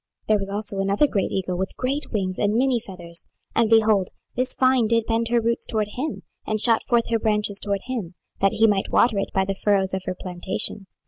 26:017:007 There was also another great eagle with great wings and many feathers: and, behold, this vine did bend her roots toward him, and shot forth her branches toward him, that he might water it by the furrows of her plantation.